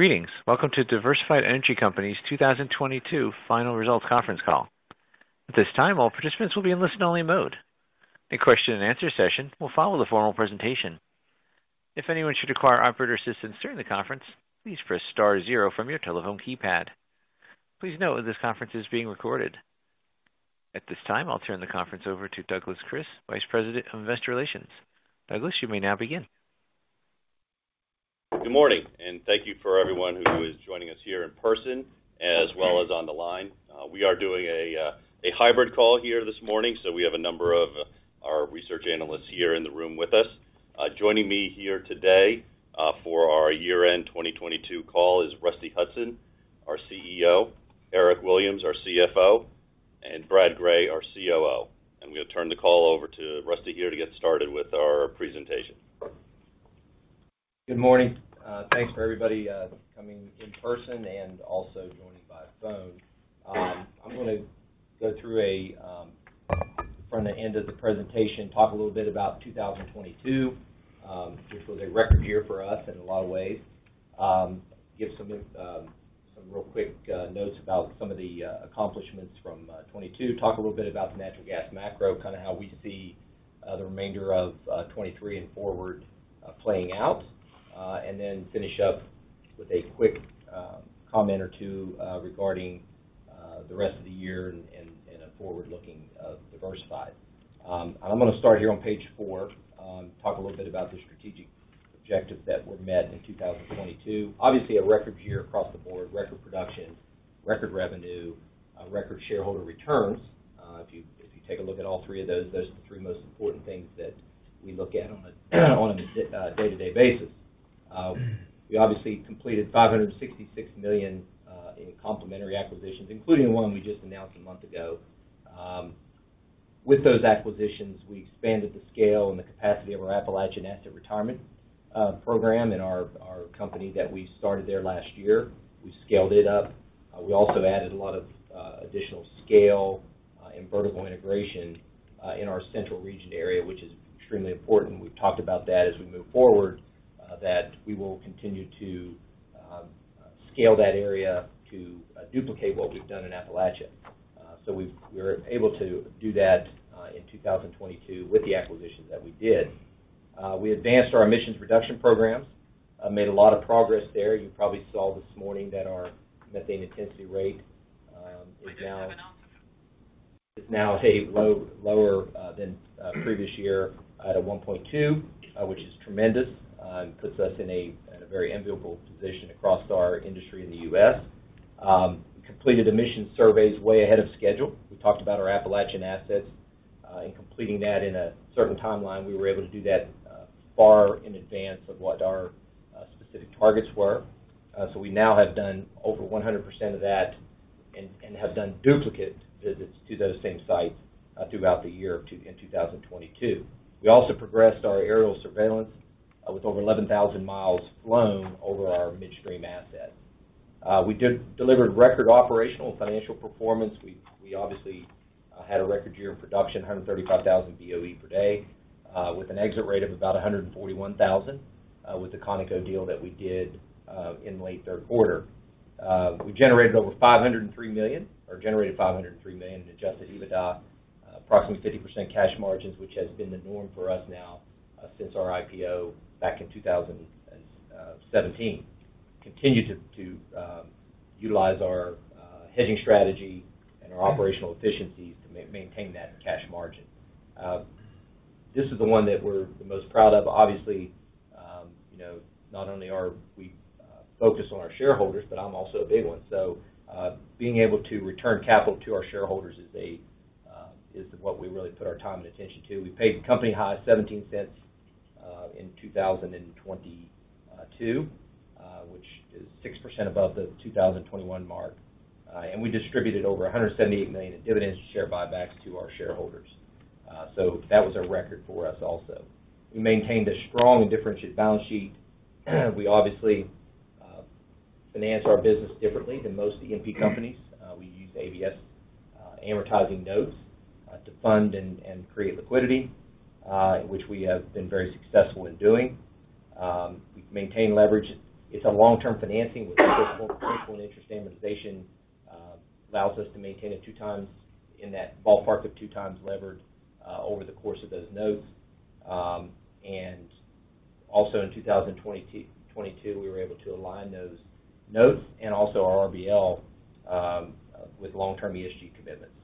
Greetings. Welcome to Diversified Energy Company's 2022 Final Results Conference Call. At this time, all participants will be in listen-only mode. A question and answer session will follow the formal presentation. If anyone should require operator assistance during the conference, please press star zero from your telephone keypad. Please note this conference is being recorded. At this time, I'll turn the conference over to Douglas Kris, Vice President of Investor Relations. Douglas, you may now begin. Good morning, and thank you for everyone who is joining us here in person as well as on the line. We are doing a hybrid call here this morning, so we have a number of our research analysts here in the room with us. Joining me here today, for our year-end 2022 call is Rusty Hutson, our CEO, Eric Williams, our CFO, and Brad Gray, our COO. I'm gonna turn the call over to Rusty here to get started with our presentation. Good morning. Thanks for everybody coming in person and also joining by phone. I'm gonna go through a from the end of the presentation, talk a little bit about 2022, which was a record year for us in a lot of ways, give some real quick notes about some of the accomplishments from 2022, talk a little bit about the natural gas macro, kinda how we see the remainder of 2023 and forward playing out, and then finish up with a quick comment or two regarding the rest of the year and a forward-looking Diversified. I'm gonna start here on page four, talk a little bit about the strategic objectives that were met in 2022. Obviously, a record year across the board, record production, record revenue, record shareholder returns. If you take a look at all three of those are the three most important things that we look at on a day-to-day basis. We obviously completed $566 million in complementary acquisitions, including one we just announced a month ago. With those acquisitions, we expanded the scale and the capacity of our Next LVL Energy program in our company that we started there last year. We scaled it up. We also added a lot of additional scale and vertical integration in our central region area, which is extremely important. We've talked about that as we move forward, that we will continue to scale that area to duplicate what we've done in Appalachia. We were able to do that in 2022 with the acquisitions that we did. We advanced our emissions reduction programs, made a lot of progress there. You probably saw this morning that our methane intensity rate is now lower than previous year at a 1.2, which is tremendous and puts us in a very enviable position across our industry in the U.S. Completed emissions surveys way ahead of schedule. We talked about our Appalachian assets in completing that in a certain timeline. We were able to do that far in advance of what our specific targets were. We now have done over 100% of that and have done duplicate visits to those same sites throughout the year in 2022. We also progressed our aerial surveillance with over 11,000 miles flown over our midstream assets. We did delivered record operational financial performance. We obviously had a record year of production, 135,000 BOE per day, with an exit rate of about 141,000 with the Conoco deal that we did in late Q3. We generated over $503 million or generated $503 million in adjusted EBITDA, approximately 50% cash margins, which has been the norm for us now since our IPO back in 2017. Continue to utilize our hedging strategy and our operational efficiencies to maintain that cash margin. This is the one that we're the most proud of. Obviously, you know, not only are we focused on our shareholders, but I'm also a big one. Being able to return capital to our shareholders is what we really put our time and attention to. We paid a company high $0.17 in 2022, which is 6% above the 2021 mark. We distributed over $178 million in dividends share buybacks to our shareholders. That was a record for us also. We maintained a strong and differentiated balance sheet. We obviously finance our business differently than most E&P companies. We use ABS, amortizing notes, to fund and create liquidity, which we have been very successful in doing. We've maintained leverage. It's a long-term financing with principal and interest amortization, allows us to maintain it two times in that ballpark of two times levered over the course of those notes. In 2022, we were able to align those notes and also our RBL with long-term ESG commitments.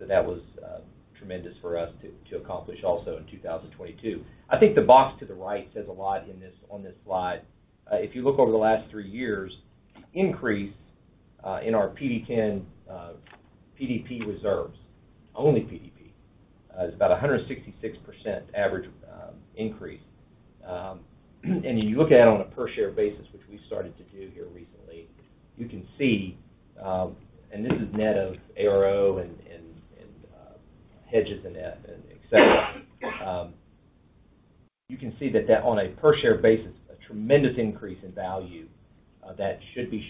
That was tremendous for us to accomplish also in 2022. I think the box to the right says a lot on this slide. If you look over the last three years, increase in our PV-10, PDP reserves, only PDP, is about a 166% average increase. You look at it on a per share basis, which we started to do here recently, you can see this is net of ARO, hedges, et cetera. You can see that on a per share basis, a tremendous increase in value that should be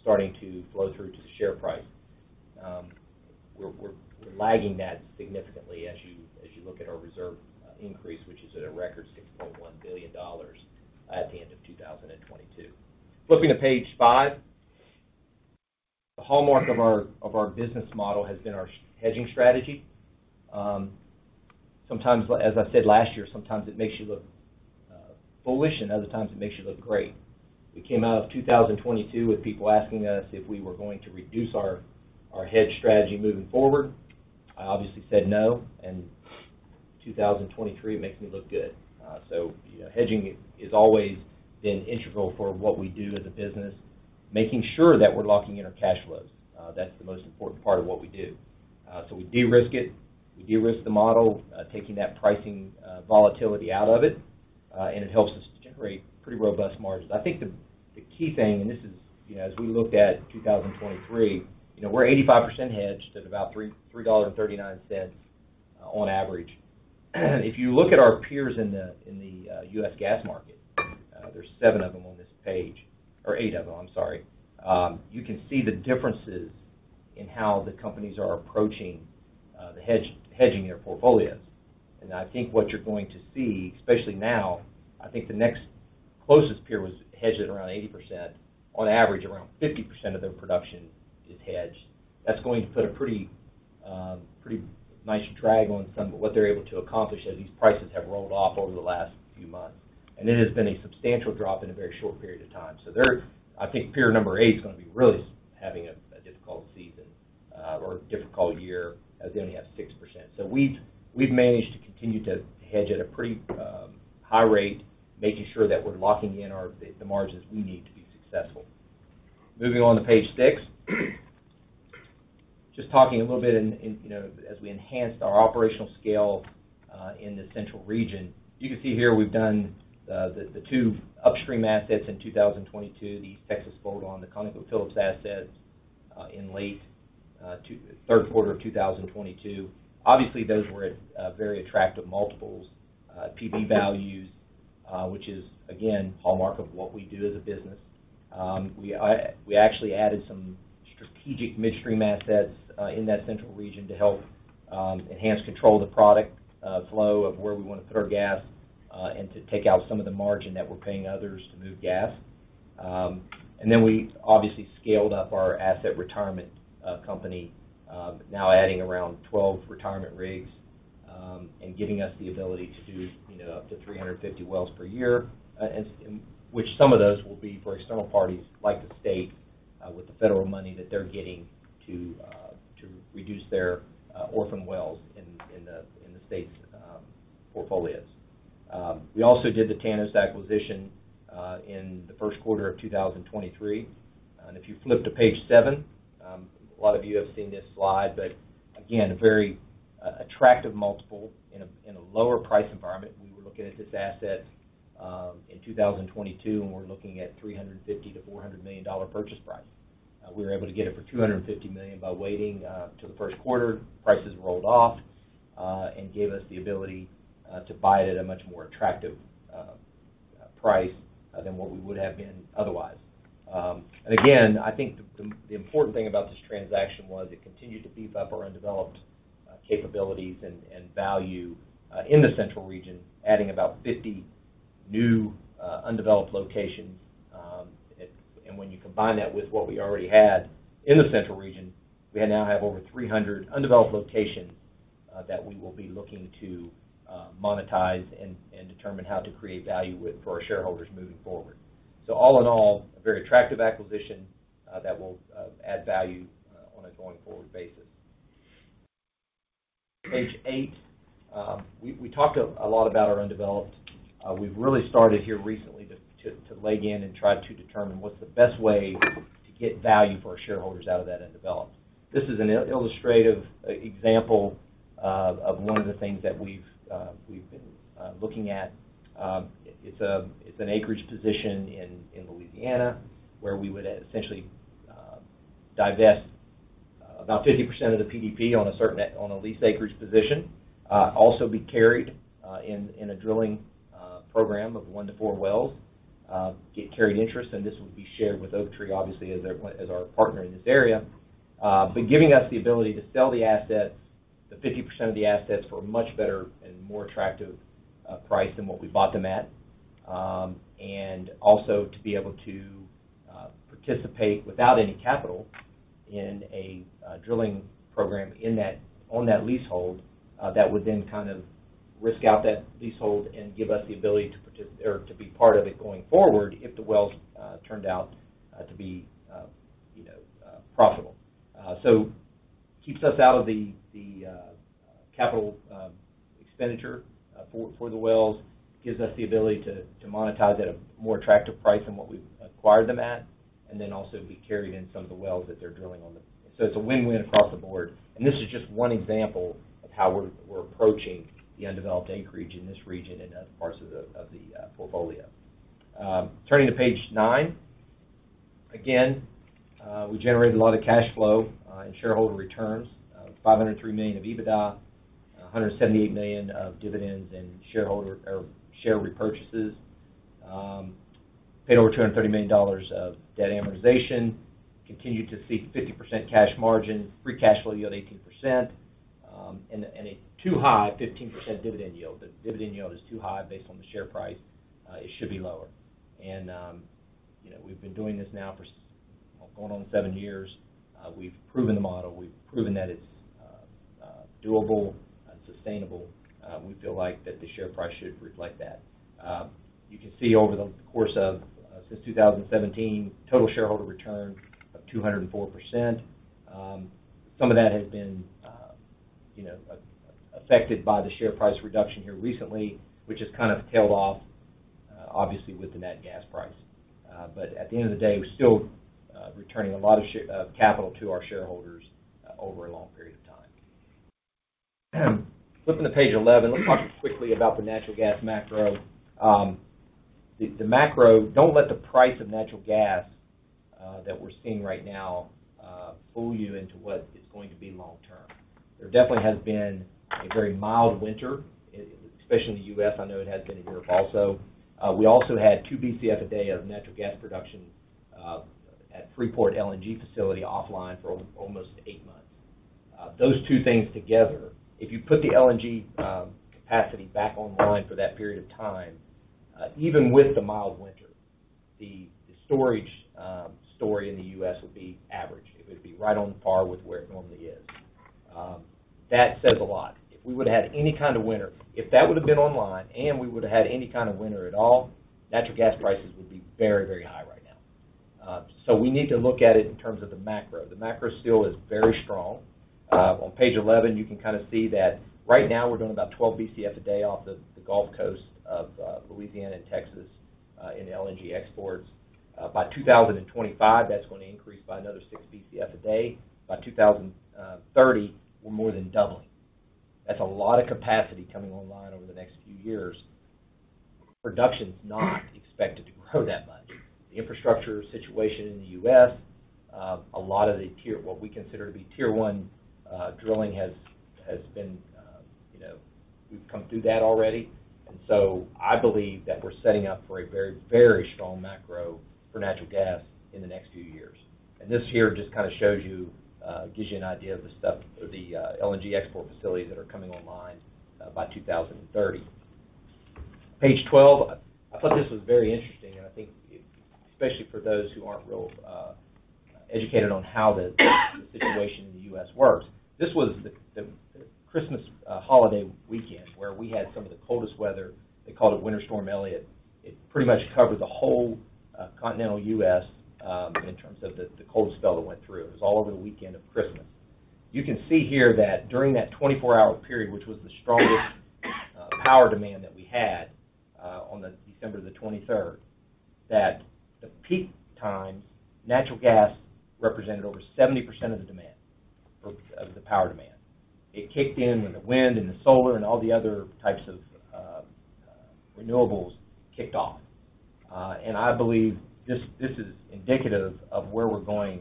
starting to flow through to the share price. We're lagging that significantly as you look at our reserve increase, which is at a record $6.1 billion at the end of 2022. Flipping to page five. The hallmark of our business model has been our hedging strategy. Sometimes, as I said last year, sometimes it makes you look foolish, other times it makes you look great. We came out of 2022 with people asking us if we were going to reduce our hedge strategy moving forward. I obviously said no. 2023, it makes me look good. Hedging is always been integral for what we do as a business, making sure that we're locking in our cash flows. That's the most important part of what we do. We de-risk it. We de-risk the model, taking that pricing volatility out of it, and it helps us generate pretty robust margins. I think the key thing, and this is, you know, as we looked at 2023, you know, we're 85% hedged at about $3.39 on average. If you look at our peers in the US gas market, there's seven of them on this page, or eight of them, I'm sorry, you can see the differences in how the companies are approaching hedging their portfolios. I think what you're going to see, especially now, I think the next closest peer was hedged at around 80%. On average, around 50% of their production is hedged. That's going to put a pretty nice drag on some of what they're able to accomplish as these prices have rolled off over the last few months. It has been a substantial drop in a very short period of time. I think peer number eight is gonna be really having a difficult season, or a difficult year as they only have 6%. We've managed to continue to hedge at a pretty high rate, making sure that we're locking in our, the margins we need to be successful. Moving on to page six. Just talking a little bit, you know, as we enhanced our operational scale in the Central Region. You can see here we've done the two upstream assets in 2022, the East Texas bolt-on the ConocoPhillips assets in late Q3 of 2022. Obviously, those were at very attractive multiples, PV values, which is again, hallmark of what we do as a business. We actually added some strategic midstream assets in that central region to help enhance control of the product flow of where we wanna put our gas and to take out some of the margin that we're paying others to move gas. We obviously scaled up our asset retirement company, now adding around 12 retirement rigs, and giving us the ability to do, you know, up to 350 wells per year, which some of those will be for external parties like the state, with the federal money that they're getting to reduce their orphan wells in the state's portfolios. We also did the Tanos acquisition in the Q1 of 2023. If you flip to page seven, a lot of you have seen this slide, but again, a very attractive multiple in a lower price environment. We were looking at this asset in 2022, and we're looking at $350 million-$400 million purchase price. We were able to get it for $250 million by waiting till the Q1. Prices rolled off and gave us the ability to buy it at a much more attractive price than what we would have been otherwise. Again, I think the important thing about this transaction was it continued to beef up our undeveloped capabilities and value in the central region, adding about 50 new undeveloped locations. When you combine that with what we already had in the Central Region, we now have over 300 undeveloped locations that we will be looking to monetize and determine how to create value with for our shareholders moving forward. All in all, a very attractive acquisition that will add value on a going forward basis. Page eight. We talked a lot about our undeveloped. We've really started here recently to leg in and try to determine what's the best way to get value for our shareholders out of that in development. This is an illustrative example of one of the things that we've been looking at. It's an acreage position in Louisiana, where we would essentially divest about 50% of the PDP on a leased acreage position. Also be carried in a drilling program of one to four wells, get carried interest, and this would be shared with Oaktree, obviously, as our partner in this area. Giving us the ability to sell the assets, the 50% of the assets for a much better and more attractive price than what we bought them at. Also to be able to participate without any capital in a drilling program in that, on that leasehold, that would then kind of risk out that leasehold and give us the ability to be part of it going forward if the wells turned out to be, you know, profitable. Keeps us out of the capital expenditure for the wells, gives us the ability to monetize at a more attractive price than what we've acquired them at, also be carried in some of the wells that they're drilling on the... It's a win-win across the board. This is just one example of how we're approaching the undeveloped acreage in this region and other parts of the portfolio. Turning to page nine. Again, we generated a lot of cash flow in shareholder returns, $503 million of EBITDA. $178 million of dividends and shareholder or share repurchases. paid over $230 million of debt amortization. Continued to see 50% cash margin, free cash flow yield 18%, and a currently elevated 15% dividend yield. The dividend yield is too high based on the share price. It should be lower. You know, we've been doing this now for going on seven years. We've proven the model. We've proven that it's doable and sustainable. We feel like that the share price should reflect that. You can see over the course of since 2017, total shareholder return of 204%. Some of that has been, you know, affected by the share price reduction here recently, which has kind of tailed off, obviously with the nat gas price. At the end of the day, we're still returning a lot of capital to our shareholders over a long period of time. Flipping to page 11, let me talk quickly about the natural gas macro. The macro, don't let the price of natural gas that we're seeing right now, fool you into what it's going to be long term. There definitely has been a very mild winter, especially in the U.S. I know it has been in Europe also. We also had two BCF a day of natural gas production at Freeport LNG facility offline for almost eight months. Those two things together, if you put the LNG capacity back online for that period of time, even with the mild winter, the storage in the US would be average. It would be right on par with where it normally is. That says a lot. If we would've had any kind of winter, if that would've been online and we would've had any kind of winter at all, natural gas prices would be very, very high right now. We need to look at it in terms of the macro. The macro still is very strong. On page 11, you can kinda see that right now we're doing about 12 BCF a day off the Gulf Coast of Louisiana and Texas in LNG exports. By 2025, that's gonna increase by another 6 BCF a day. By 2030, we're more than doubling. That's a lot of capacity coming online over the next few years. Production's not expected to grow that much. The infrastructure situation in the US, a lot of the tier, what we consider to be tier one, drilling has been, you know, we've come through that already. I believe that we're setting up for a very, very strong macro for natural gas in the next few years. This here just kinda shows you, gives you an idea of the stuff, or the LNG export facilities that are coming online by 2030. Page 12, I thought this was very interesting. I think, especially for those who aren't real educated on how the situation in the US works. This was the Christmas holiday weekend where we had some of the coldest weather. They called it Winter Storm Elliott. Pretty much covered the whole continental US in terms of the cold spell that went through. Was all over the weekend of Christmas. You can see here that during that 24-hour period, which was the strongest power demand that we had on December 23rd, that the peak times natural gas represented over 70% of the demand, of the power demand. It kicked in when the wind and the solar and all the other types of renewables kicked off. I believe this is indicative of where we're going,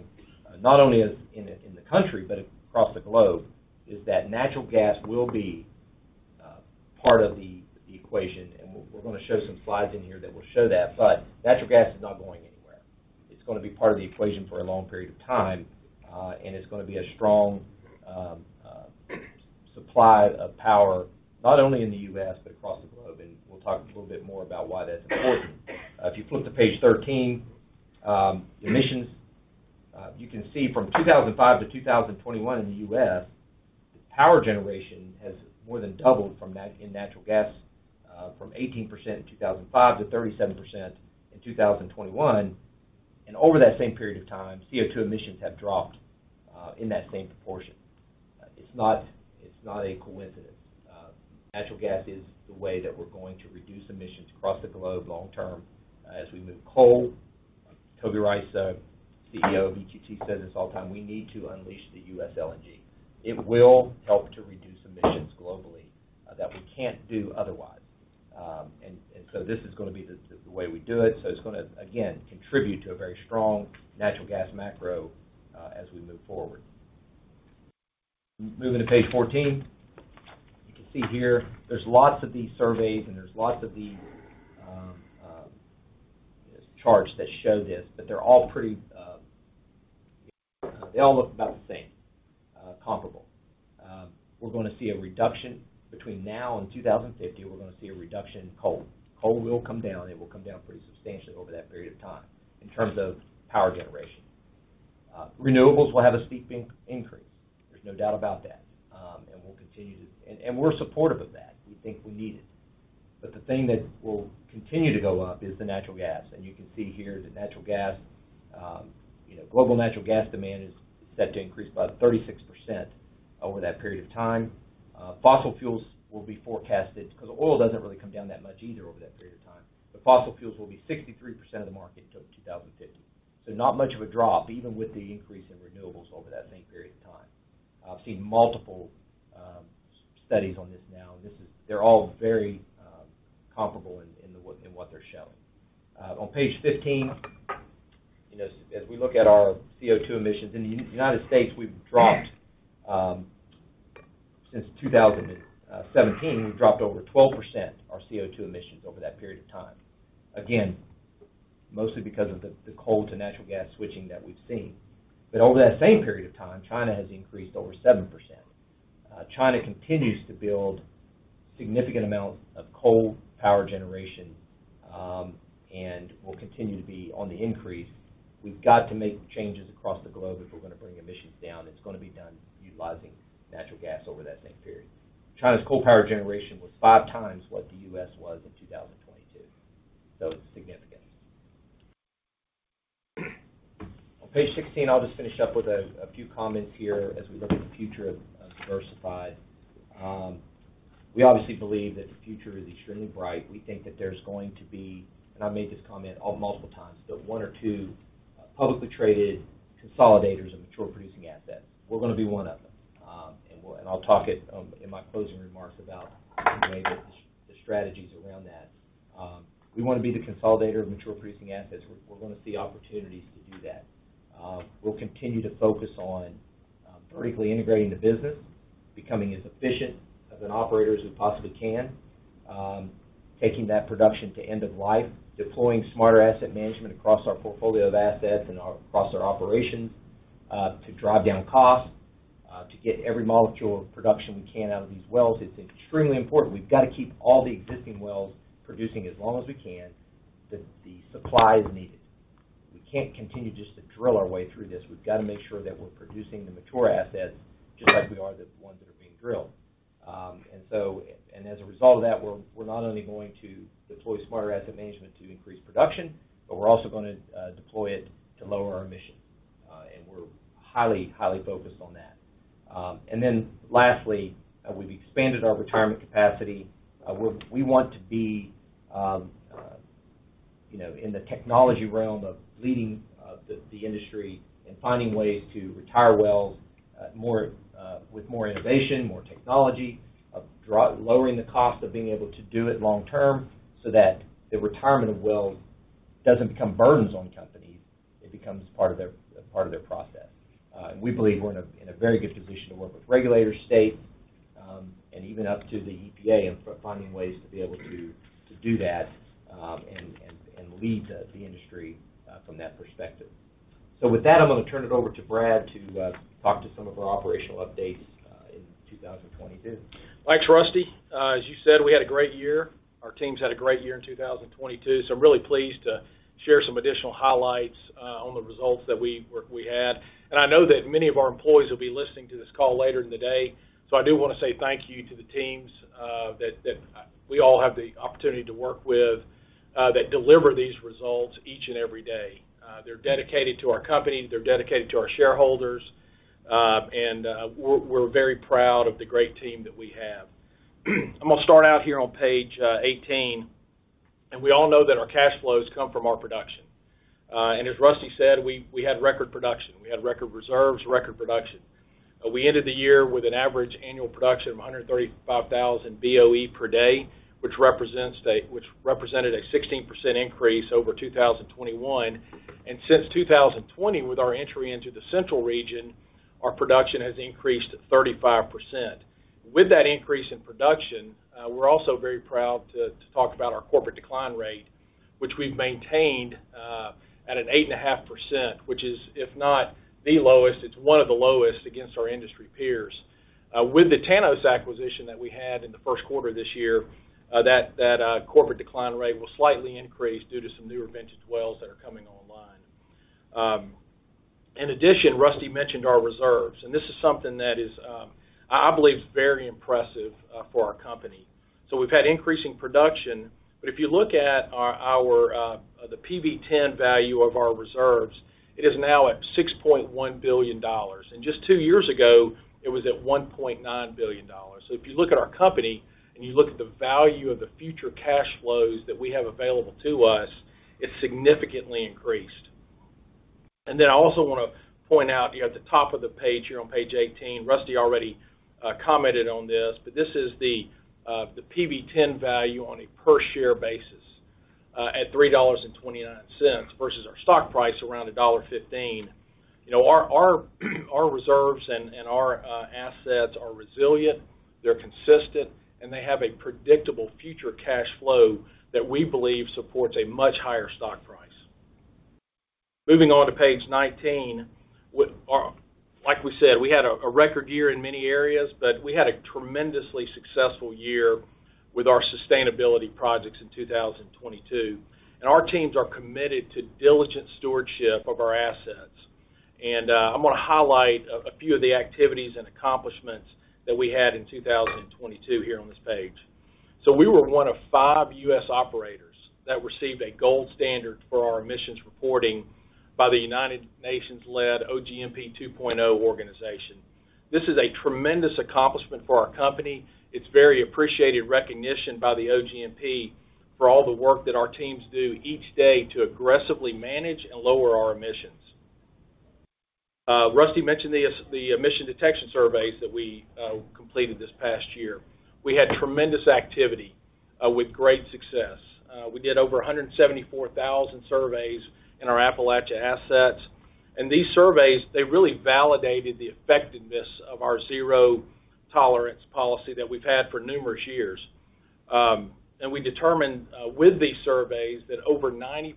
not only in the country, but across the globe, is that natural gas will be part of the equation. We're gonna show some slides in here that will show that. Natural gas is not going anywhere. It's gonna be part of the equation for a long period of time, and it's gonna be a strong supply of power, not only in the U.S., but across the globe. We'll talk a little bit more about why that's important. If you flip to page 13, emissions, you can see from 2005 to 2021 in the U.S., the power generation has more than doubled in natural gas, from 18% in 2005 to 37% in 2021. Over that same period of time, CO2 emissions have dropped in that same proportion. It's not a coincidence. Natural gas is the way that we're going to reduce emissions across the globe long term as we move coal. Toby Rice, CEO of EQT, says this all the time, "We need to unleash the US LNG." It will help to reduce emissions globally that we can't do otherwise. This is going to be the way we do it. It's gonna, again, contribute to a very strong natural gas macro as we move forward. Moving to page 14. You can see here there's lots of these surveys and there's lots of these charts that show this, but they're all pretty. They all look about the same, comparable. We're gonna see a reduction between now and 2050, we're gonna see a reduction in coal. Coal will come down, and it will come down pretty substantially over that period of time in terms of power generation. Renewables will have a steep increase. There's no doubt about that. We're supportive of that. We think we need it. The thing that will continue to go up is the natural gas. You can see here that natural gas, you know, global natural gas demand is set to increase by 36% over that period of time. Fossil fuels will be forecasted, 'cause oil doesn't really come down that much either over that period of time. Fossil fuels will be 63% of the market till 2050. Not much of a drop, even with the increase in renewables over that same period of time. I've seen multiple studies on this now. They're all very comparable in the what, in what they're showing. On page 15, you know, as we look at our CO2 emissions in the United States, we've dropped, since 2017, we've dropped over 12% our CO2 emissions over that period of time. Again, mostly because of the coal to natural gas switching that we've seen. Over that same period of time, China has increased over 7%. China continues to build significant amounts of coal power generation and will continue to be on the increase. We've got to make changes across the globe if we're gonna bring emissions down. It's gonna be done utilizing natural gas over that same period. China's coal power generation was five times what the U.S. was in 2022. It's significant. On page 16, I'll just finish up with a few comments here as we look at the future of Diversified. We obviously believe that the future is extremely bright. We think that there's going to be, and I made this comment multiple times, but one or two publicly traded consolidators of mature producing assets. We're gonna be one of them. I'll talk it in my closing remarks about the way that the strategies around that. We wanna be the consolidator of mature producing assets. We're gonna see opportunities to do that. We'll continue to focus on vertically integrating the business, becoming as efficient of an operator as we possibly can, taking that production to end of life, deploying Smarter Asset Management across our portfolio of assets and across our operations to drive down costs, to get every molecule of production we can out of these wells. It's extremely important. We've gotta keep all the existing wells producing as long as we can. The supply is needed. We can't continue just to drill our way through this. We've gotta make sure that we're producing the mature assets just like we are the ones that are being drilled. As a result of that, we're not only going to deploy Smarter Asset Management to increase production, but we're also gonna deploy it to lower our emissions. We're highly focused on that. Lastly, we've expanded our retirement capacity. We want to be, you know, in the technology realm of leading the industry and finding ways to retire wells, more with more innovation, more technology, lowering the cost of being able to do it long term so that the retirement of wells doesn't become burdens on companies, it becomes part of their process. We believe we're in a very good position to work with regulators, states, and even up to the EPA in finding ways to be able to do that and lead the industry from that perspective. With that, I'm gonna turn it over to Brad to talk to some of our operational updates in 2022. Thanks, Rusty. As you said, we had a great year. Our teams had a great year in 2022, so I'm really pleased to share some additional highlights on the results that we had. I know that many of our employees will be listening to this call later in the day, so I do wanna say thank you to the teams that we all have the opportunity to work with that deliver these results each and every day. They're dedicated to our company, they're dedicated to our shareholders, and we're very proud of the great team that we have. I'm gonna start out here on page 18. We all know that our cash flows come from our production. As Rusty said, we had record production. We had record reserves, record production. We ended the year with an average annual production of 135,000 BOE per day, which represented a 16% increase over 2021. Since 2020, with our entry into the Central region, our production has increased 35%. With that increase in production, we're also very proud to talk about our corporate decline rate, which we've maintained at an 8.5%, which is, if not the lowest, it's one of the lowest against our industry peers. With the Tanos acquisition that we had in the Q1 this year, that corporate decline rate will slightly increase due to some newer vintage wells that are coming online. In addition, Rusty mentioned our reserves, and this is something that I believe is very impressive for our company. We've had increasing production, but if you look at our PV-10 value of our reserves, it is now at $6.1 billion. Just two years ago, it was at $1.9 billion. If you look at our company, and you look at the value of the future cash flows that we have available to us, it's significantly increased. I also wanna point out, you know, at the top of the page here on page 18, Rusty already commented on this, but this is the PV-10 value on a per share basis at $3.29 versus our stock price around $1.15. You know, our reserves and our assets are resilient, they're consistent, and they have a predictable future cash flow that we believe supports a much higher stock price. Moving on to page 19, like we said, we had a record year in many areas, but we had a tremendously successful year with our sustainability projects in 2022. Our teams are committed to diligent stewardship of our assets. I'm gonna highlight a few of the activities and accomplishments that we had in 2022 here on this page. We were one of five US operators that received a gold standard for our emissions reporting by the United Nations-led OGMP 2.0 organization. This is a tremendous accomplishment for our company. It's very appreciated recognition by the OGMP for all the work that our teams do each day to aggressively manage and lower our emissions. Rusty mentioned the emission detection surveys that we completed this past year. We had tremendous activity with great success. We did over 174,000 surveys in our Appalachia assets. These surveys, they really validated the effectiveness of our zero tolerance policy that we've had for numerous years. We determined with these surveys that over 90%,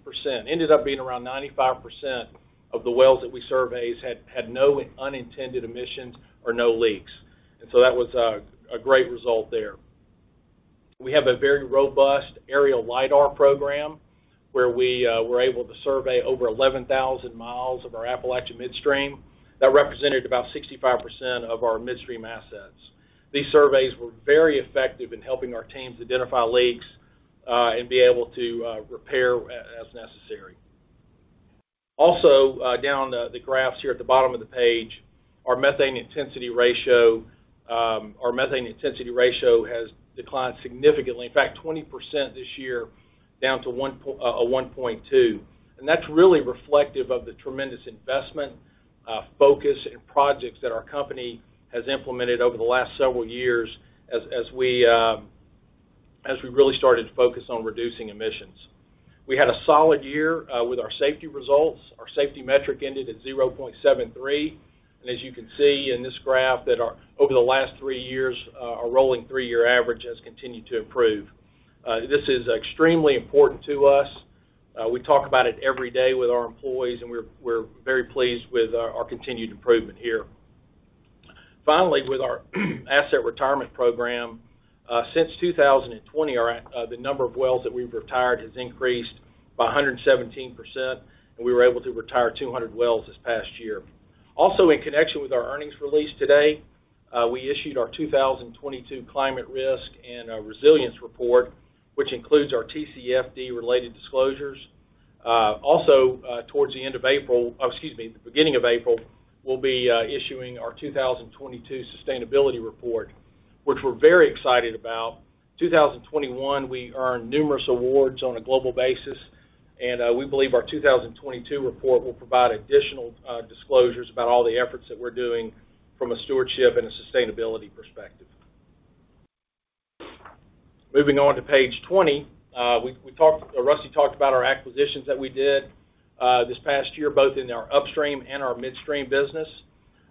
ended up being around 95% of the wells that we surveyed had no unintended emissions or no leaks. That was a great result there. We have a very robust area LiDAR program where we were able to survey over 11,000 miles of our Appalachia midstream. That represented about 65% of our midstream assets. These surveys were very effective in helping our teams identify leaks and be able to repair as necessary. Down the graphs here at the bottom of the page, our methane intensity ratio has declined significantly. 20% this year down to 1.2. That's really reflective of the tremendous investment, focus and projects that our company has implemented over the last several years as we really started to focus on reducing emissions. We had a solid year with our safety results. Our safety metric ended at 0.73. As you can see in this graph that over the last three years, our rolling three-year average has continued to improve. This is extremely important to us. We talk about it every day with our employees, we're very pleased with our continued improvement here. Finally, with our asset retirement program, since 2020, the number of wells that we've retired has increased by 117%, we were able to retire 200 wells this past year. In connection with our earnings release today, we issued our 2022 climate risk and resilience report, which includes our TCFD-related disclosures. Towards the end of April, or excuse me, the beginning of April, we'll be issuing our 2022 sustainability report, which we're very excited about. 2021, we earned numerous awards on a global basis, and we believe our 2022 report will provide additional disclosures about all the efforts that we're doing from a stewardship and a sustainability perspective. Moving on to page 20, Rusty talked about our acquisitions that we did this past year, both in our upstream and our midstream business.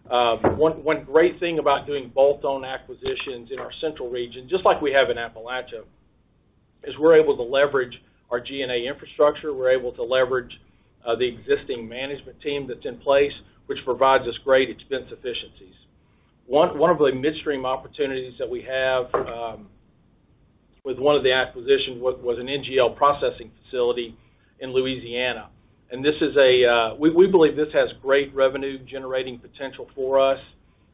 One great thing about doing bolt-on acquisitions in our Central Region, just like we have in Appalachia, is we're able to leverage our G&A infrastructure, we're able to leverage the existing management team that's in place, which provides us great expense efficiencies. One of the midstream opportunities that we have with one of the acquisitions was an NGL processing facility in Louisiana. We believe this has great revenue generating potential for us.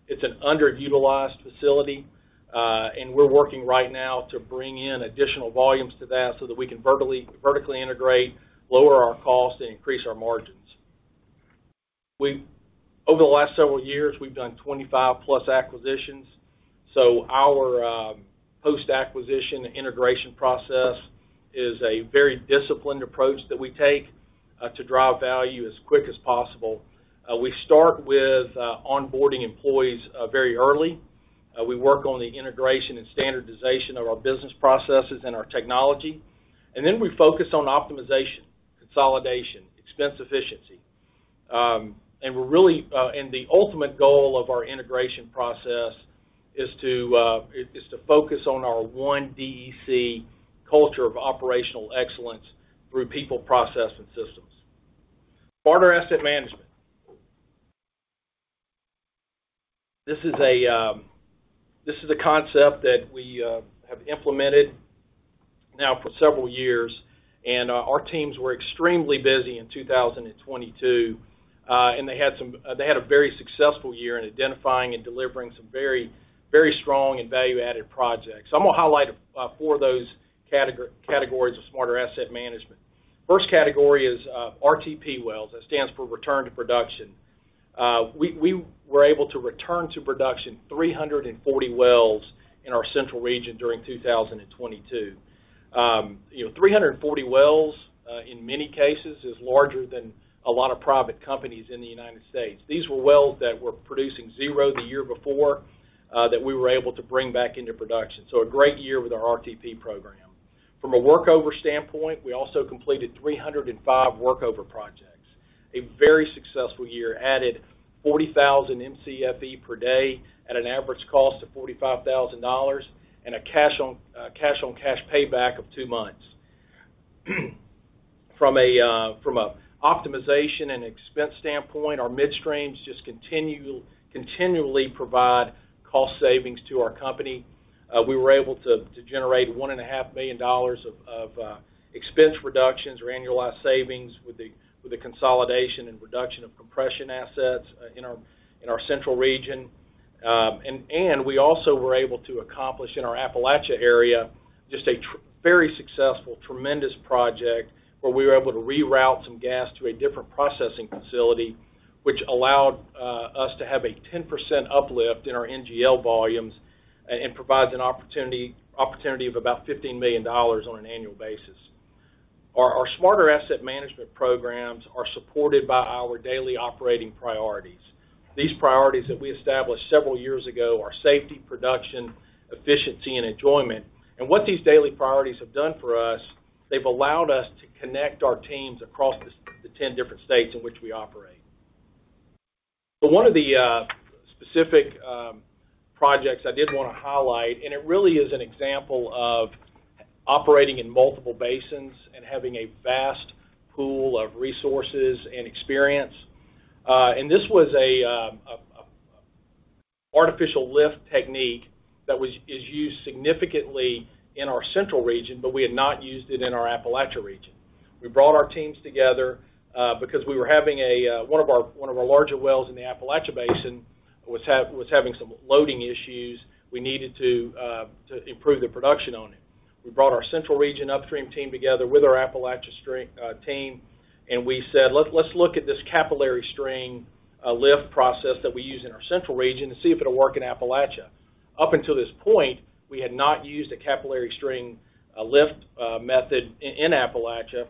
It's an underutilized facility, and we're working right now to bring in additional volumes to that so that we can vertically integrate, lower our costs, and increase our margins. Over the last several years, we've done 25+ acquisitions, so our post-acquisition integration process is a very disciplined approach that we take to drive value as quick as possible. We start with onboarding employees very early. We work on the integration and standardization of our business processes and our technology, and then we focus on optimization, consolidation, expense efficiency. We're really, and the ultimate goal of our integration process is to focus on our one DEC culture of operational excellence through people, process, and systems. Smarter Asset Management. This is a concept that we have implemented now for several years. Our teams were extremely busy in 2022. They had a very successful year in identifying and delivering some very, very strong and value-added projects. I'm gonna highlight four of those categories of Smarter Asset Management. First category is RTP wells. That stands for return to production. We were able to return to production 340 wells in our central region during 2022. You know, 340 wells in many cases is larger than a lot of private companies in the United States. These were wells that were producing zero the year before that we were able to bring back into production. A great year with our RTP program. From a workover standpoint, we also completed 305 workover projects. A very successful year, added 40,000 MCFE per day at an average cost of $45,000 and a cash on cash payback of two months. From a optimization and expense standpoint, our midstreams just continually provide cost savings to our company. We were able to generate one and a half million dollars of expense reductions or annualized savings with the consolidation and reduction of compression assets in our Central Region. We also were able to accomplish in our Appalachia area just a very successful, tremendous project where we were able to reroute some gas to a different processing facility, which allowed us to have a 10% uplift in our NGL volumes and provides an opportunity of about $15 million on an annual basis. Our Smarter Asset Management programs are supported by our daily operating priorities. These priorities that we established several years ago are safety, production, efficiency and enjoyment. What these daily priorities have done for us, they've allowed us to connect our teams across the 10 different states in which we operate. One of the specific projects I did wanna highlight, and it really is an example of operating in multiple basins and having a vast pool of resources and experience, and this was an artificial lift technique that is used significantly in our Central Region, but we had not used it in our Appalachia Region. We brought our teams together because one of our larger wells in the Appalachia Basin was having some loading issues. We needed to improve the production on it. We brought our central region upstream team together with our Appalachia team, and we said, "Let's look at this capillary string lift process that we use in our central region to see if it'll work in Appalachia." Up until this point, we had not used a capillary string lift method in Appalachia.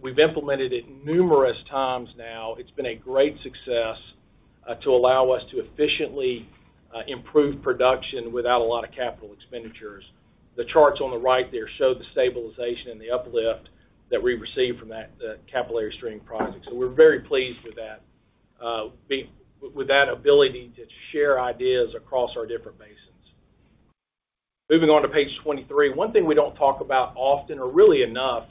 We've implemented it numerous times now. It's been a great success to allow us to efficiently improve production without a lot of capital expenditures. The charts on the right there show the stabilization and the uplift that we received from that capillary string project. We're very pleased with that with that ability to share ideas across our different basins. Moving on to page 23. One thing we don't talk about often or really enough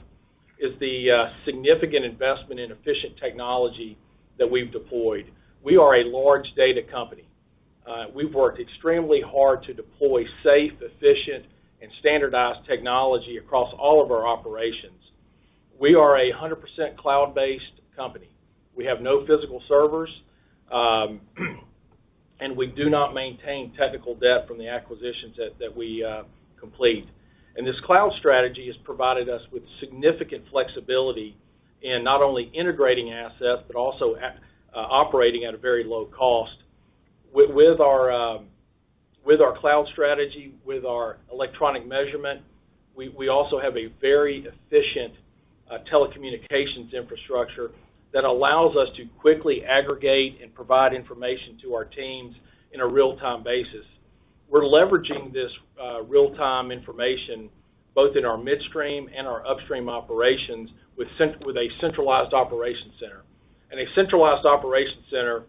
is the significant investment in efficient technology that we've deployed. We are a large data company. We've worked extremely hard to deploy safe, efficient, and standardized technology across all of our operations. We are a 100% cloud-based company. We have no physical servers, and we do not maintain technical debt from the acquisitions that we complete. This cloud strategy has provided us with significant flexibility in not only integrating assets, but also at operating at a very low cost. With our, with our cloud strategy, with our electronic measurement, we also have a very efficient telecommunications infrastructure that allows us to quickly aggregate and provide information to our teams in a real-time basis. We're leveraging this real-time information both in our midstream and our upstream operations with a centralized operations center. A centralized operations center,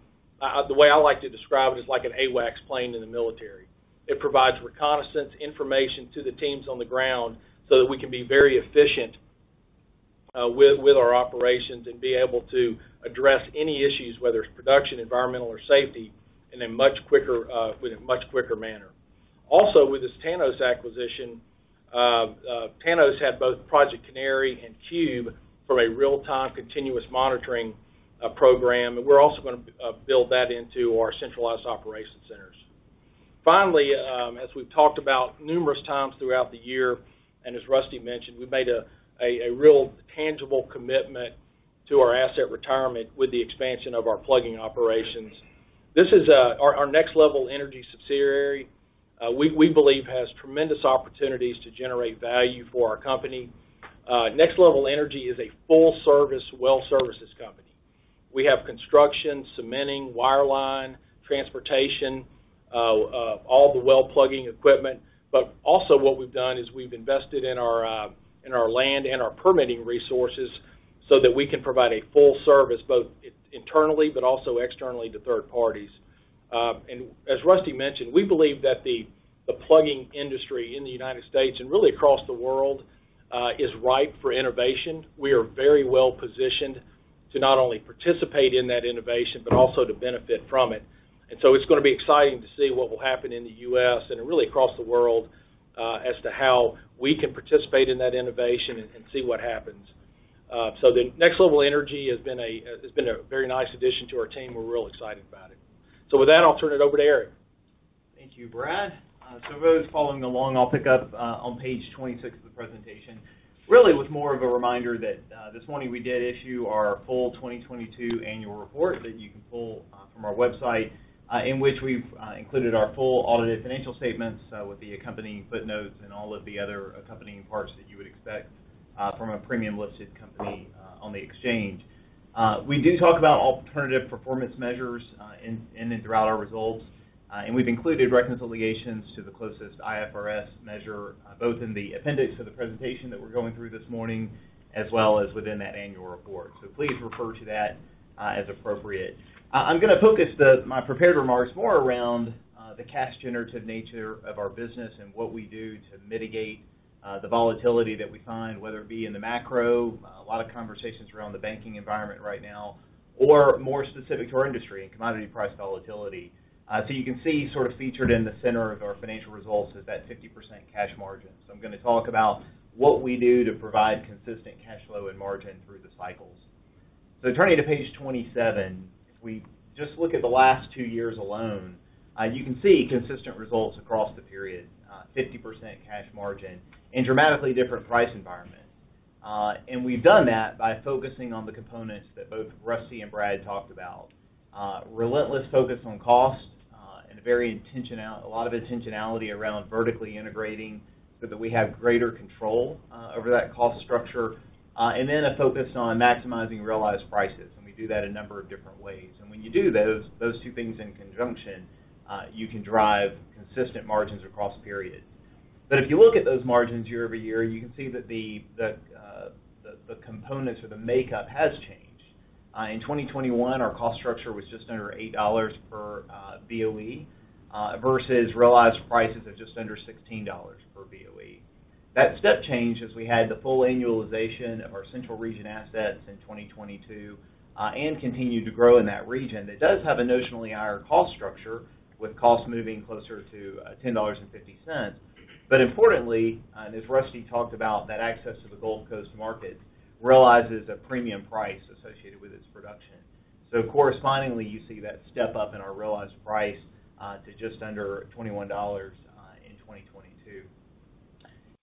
the way I like to describe it is like an AWACS plane in the military. It provides reconnaissance information to the teams on the ground so that we can be very efficient with our operations and be able to address any issues, whether it's production, environmental or safety, in a much quicker manner. With this Tanos acquisition, Tanos had both Project Canary and Cube for a real-time continuous monitoring program, and we're also gonna build that into our centralized operations centers. Finally, as we've talked about numerous times throughout the year, and as Rusty mentioned, we've made a real tangible commitment to our asset retirement with the expansion of our plugging operations. This is our Next LVL Energy subsidiary, we believe has tremendous opportunities to generate value for our company. Next LVL Energy is a full-service well services company. We have construction, cementing, wireline, transportation, all the well plugging equipment. Also what we've done is we've invested in our land and our permitting resources so that we can provide a full service, both internally but also externally to third parties. As Rusty mentioned, we believe that the plugging industry in the United States and really across the world, is ripe for innovation. We are very well positioned to not only participate in that innovation, but also to benefit from it. It's gonna be exciting to see what will happen in the U.S. and really across the world, as to how we can participate in that innovation and see what happens. The Next LVL Energy has been a very nice addition to our team. We're real excited about it. With that, I'll turn it over to Eric. Thank you, Brad. For those following along, I'll pick up on page 26 of the presentation. Really with more of a reminder that this morning we did issue our full 2022 annual report that you can pull from our website, in which we've included our full audited financial statements, with the accompanying footnotes and all of the other accompanying parts that you would expect from a premium listed company on the exchange. We do talk about alternative performance measures in and throughout our results, we've included reconciliations to the closest IFRS measure, both in the appendix of the presentation that we're going through this morning, as well as within that annual report. Please refer to that as appropriate. I'm gonna focus my prepared remarks more around the cash generative nature of our business and what we do to mitigate the volatility that we find, whether it be in the macro, a lot of conversations around the banking environment right now, or more specific to our industry and commodity price volatility. You can see sort of featured in the center of our financial results is that 50% cash margin. I'm gonna talk about what we do to provide consistent cash flow and margin through the cycles. Turning to page 27, if we just look at the last two years alone, you can see consistent results across the period, 50% cash margin in dramatically different price environments. We've done that by focusing on the components that both Rusty and Brad talked about. Relentless focus on cost. A lot of intentionality around vertically integrating so that we have greater control over that cost structure. A focus on maximizing realized prices, and we do that a number of different ways. When you do those two things in conjunction, you can drive consistent margins across periods. If you look at those margins year-over-year, you can see that the components or the makeup has changed. In 2021, our cost structure was just under $8 per BOE versus realized prices of just under $16 per BOE. That step changed as we had the full annualization of our central region assets in 2022 and continued to grow in that region. It does have a notionally higher cost structure with cost moving closer to $10.50. Importantly, as Rusty talked about, that access to the Gulf Coast market realizes a premium price associated with its production. Correspondingly, you see that step up in our realized price to just under $21 in 2022.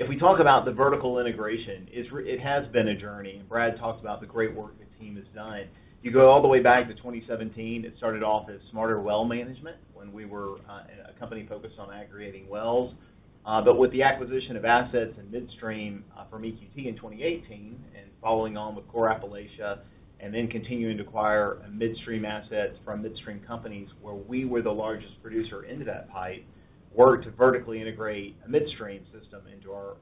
We talk about the vertical integration, it has been a journey, and Brad talked about the great work the team has done. You go all the way back to 2017, it started off as smarter well management when we were a company focused on aggregating wells. With the acquisition of assets and midstream from EQT in 2018 and following on with Core Appalachia, and then continuing to acquire midstream assets from midstream companies where we were the largest producer into that pipe, were to vertically integrate a midstream system into our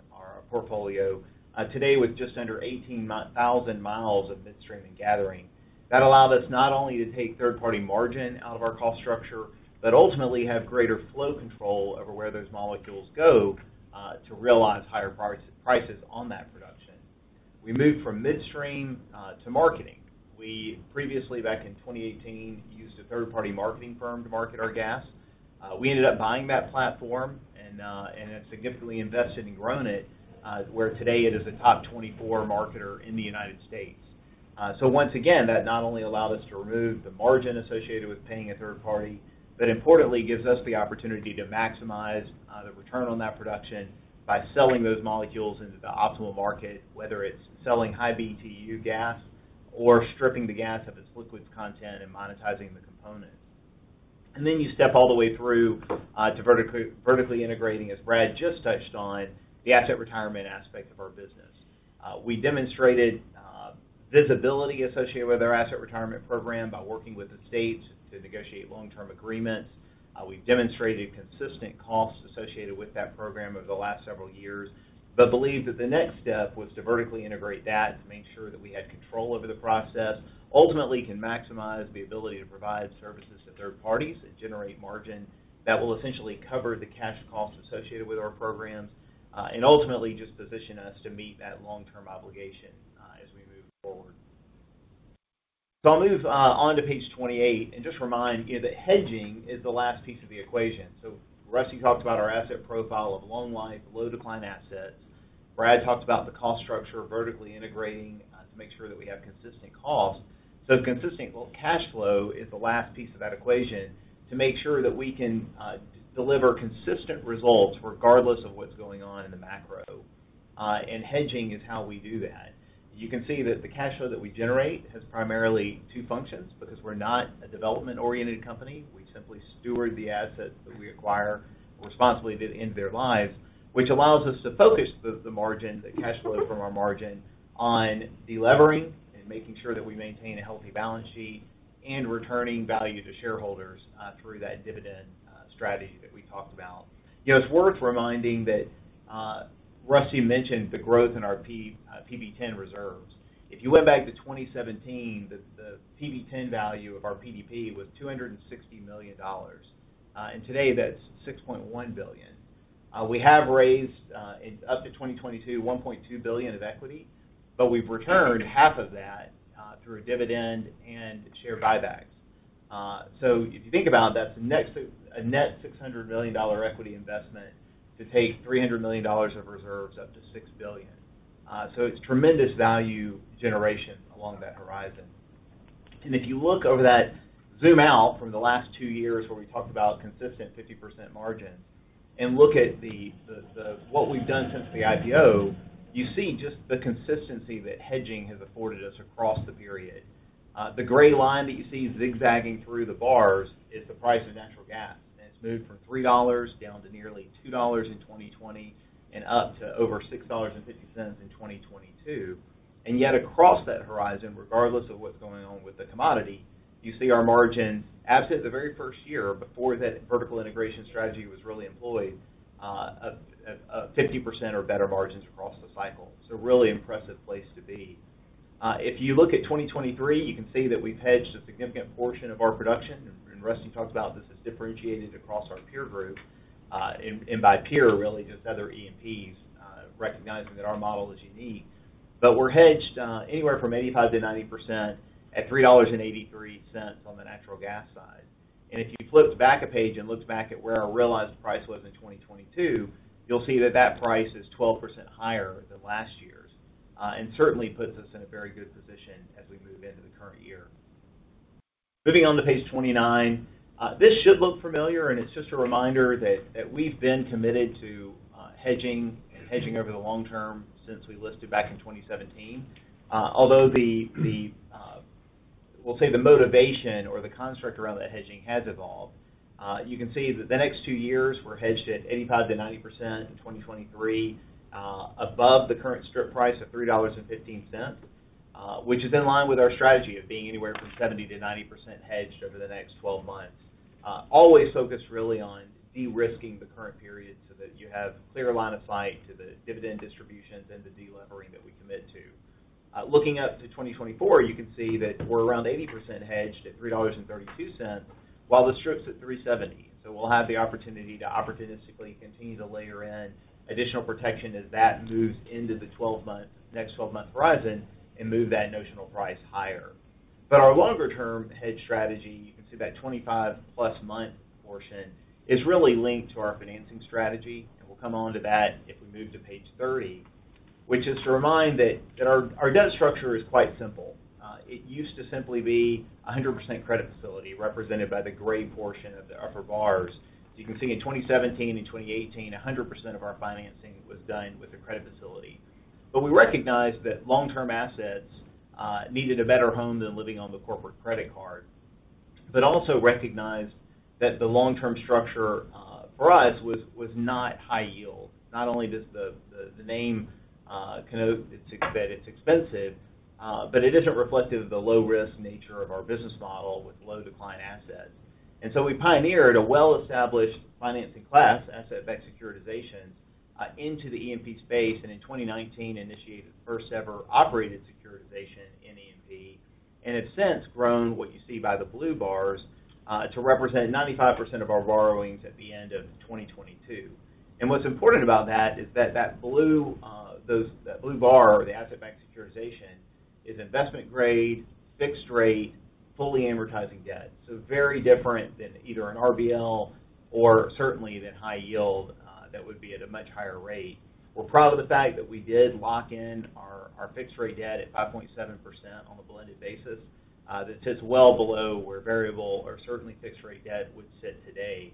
portfolio. Today, with just under 18,000 miles of midstream and gathering, that allowed us not only to take third-party margin out of our cost structure, but ultimately have greater flow control over where those molecules go to realize higher prices on that production. We moved from midstream to marketing. We previously, back in 2018, used a third-party marketing firm to market our gas. We ended up buying that platform and have significantly invested and grown it where today it is a top 24 marketer in the United States. Once again, that not only allowed us to remove the margin associated with paying a third party, but importantly gives us the opportunity to maximize the return on that production by selling those molecules into the optimal market, whether it's selling high BTU gas or stripping the gas of its liquids content and monetizing the component. You step all the way through to vertically integrating, as Brad just touched on, the asset retirement aspect of our business. We demonstrated visibility associated with our asset retirement program by working with the states to negotiate long-term agreements. We've demonstrated consistent costs associated with that program over the last several years, but believe that the next step was to vertically integrate that to make sure that we had control over the process. Ultimately, can maximize the ability to provide services to third parties that generate margin that will essentially cover the cash costs associated with our programs, and ultimately just position us to meet that long-term obligation as we move forward. I'll move on to page 28 and just remind you that hedging is the last piece of the equation. Rusty talked about our asset profile of long life, low decline assets. Brad talked about the cost structure vertically integrating to make sure that we have consistent costs. Consistent cash flow is the last piece of that equation to make sure that we can deliver consistent results regardless of what's going on in the macro, and hedging is how we do that. You can see that the cash flow that we generate has primarily two functions because we're not a development-oriented company. We simply steward the assets that we acquire responsibly to the end of their lives, which allows us to focus the margin, the cash flow from our margin on delevering and making sure that we maintain a healthy balance sheet and returning value to shareholders through that dividend strategy that we talked about. You know, it's worth reminding that Rusty mentioned the growth in our PV-10 reserves. If you went back to 2017, the PV-10 value of our PDP was $260 million. And today, that's $6.1 billion. We have raised up to 2022, $1.2 billion of equity, but we've returned half of that through a dividend and share buybacks. If you think about it, that's a net $600 million equity investment to take $300 million of reserves up to $6 billion. It's tremendous value generation along that horizon. If you look over that zoom out from the last two years where we talked about consistent 50% margins and look at what we've done since the IPO, you see just the consistency that hedging has afforded us across the period. The gray line that you see zigzagging through the bars is the price of natural gas. It's moved from $3 down to nearly $2 in 2020 and up to over $6.50 in 2022. Yet across that horizon, regardless of what's going on with the commodity, you see our margins absent the very first year before that vertical integration strategy was really employed, a 50% or better margins across the cycle. Really impressive place to be. If you look at 2023, you can see that we've hedged a significant portion of our production, and Rusty talked about this as differentiated across our peer group. And by peer, really just other E&Ps, recognizing that our model is unique. We're hedged anywhere from 85%-90% at $3.83 on the natural gas side. If you flip back a page and look back at where our realized price was in 2022, you'll see that price is 12% higher than last year's, and certainly puts us in a very good position as we move into the current year. Moving on to page 29. This should look familiar, and it's just a reminder that we've been committed to hedging and hedging over the long term since we listed back in 2017. Although We'll say the motivation or the construct around that hedging has evolved. You can see that the next two years we're hedged at 85%-90% in 2023, above the current strip price of $3.15, which is in line with our strategy of being anywhere from 70%-90% hedged over the next 12 months. Always focused really on de-risking the current period so that you have clear line of sight to the dividend distributions and the delevering that we commit to. Looking out to 2024, you can see that we're around 80% hedged at $3.32, while the strip's at $3.70. We'll have the opportunity to opportunistically continue to layer in additional protection as that moves into the next 12-month horizon and move that notional price higher. Our longer-term hedge strategy, you can see that 25 plus month portion, is really linked to our financing strategy. We'll come on to that if we move to page 30, which is to remind that our debt structure is quite simple. It used to simply be 100% credit facility represented by the gray portion of the upper bars. You can see in 2017 and 2018, 100% of our financing was done with a credit facility. We recognized that long-term assets needed a better home than living on the corporate credit card. Also recognized that the long-term structure for us was not high yield. Not only does the name connote that it's expensive, but it isn't reflective of the low risk nature of our business model with low decline assets. We pioneered a well-established financing class, asset-backed securitizations, into the E&P space. In 2019, initiated the first ever operated securitization in E&P. It's since grown what you see by the blue bars, to represent 95% of our borrowings at the end of 2022. What's important about that is that blue, that blue bar or the asset-backed securitization is investment grade, fixed rate, fully amortizing debt. Very different than either an RBL or certainly than high yield, that would be at a much higher rate. We're proud of the fact that we did lock in our fixed rate debt at 5.7% on a blended basis, that sits well below where variable or certainly fixed rate debt would sit today.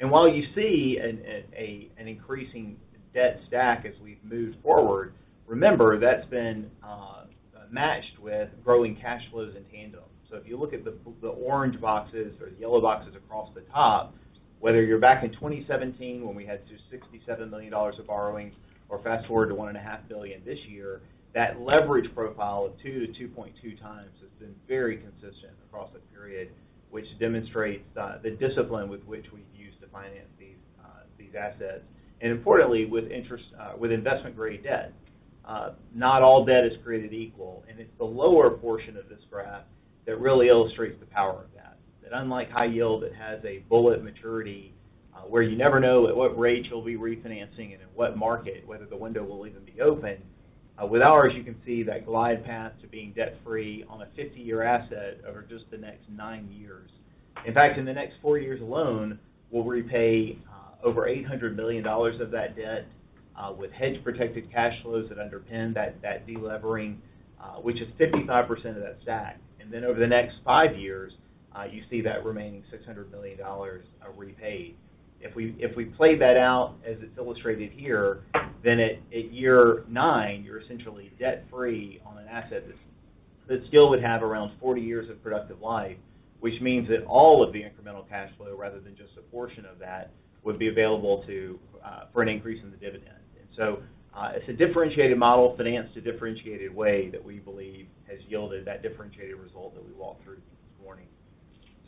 While you see an increasing debt stack as we've moved forward, remember that's been matched with growing cash flows in tandem. If you look at the orange boxes or the yellow boxes across the top, whether you're back in 2017 when we had just $67 million of borrowings, or fast-forward to $1.5 billion this year, that leverage profile of two to 2.2 times has been very consistent across the period, which demonstrates the discipline with which we've used to finance these assets. Importantly, with interest, with investment-grade debt. Not all debt is created equal, and it's the lower portion of this graph that really illustrates the power of debt. Unlike high yield, it has a bullet maturity, where you never know at what rates you'll be refinancing and in what market, whether the window will even be open. With ours, you can see that glide path to being debt free on a 50-year asset over just the next nine years. In fact, in the next four years alone, we'll repay over $800 million of that debt with hedge protected cash flows that underpin that de-levering, which is 55% of that stack. Over the next five years, you see that remaining $600 million repaid. If we played that out as it's illustrated here, then at year nine, you're essentially debt free on an asset that still would have around 40 years of productive life, which means that all of the incremental cash flow, rather than just a portion of that, would be available to for an increase in the dividend. It's a differentiated model financed a differentiated way that we believe has yielded that differentiated result that we walked through this morning.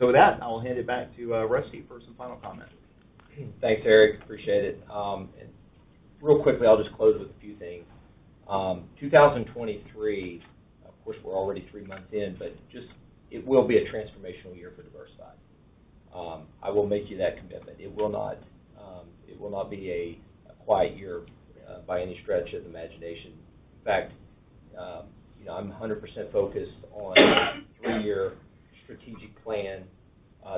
With that, I'll hand it back to Rusty for some final comments. Thanks, Eric. Appreciate it. Real quickly, I'll just close with a few things. 2023, of course, we're already three months in, but just it will be a transformational year for Diversified. I will make you that commitment. It will not be a quiet year by any stretch of the imagination. In fact, you know, I'm 100% focused on three-year strategic plan